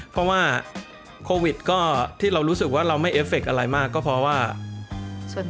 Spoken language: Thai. เพราะว่าโควิดก็ที่เรารู้สึกว่าเราไม่เอฟเฟคอะไรมากก็เพราะว่า